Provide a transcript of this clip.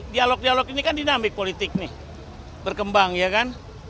dialog dialog ini kan dinamik politik nih berkembang ya kan